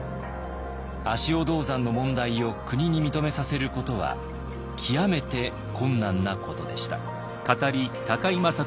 足尾銅山の問題を国に認めさせることは極めて困難なことでした。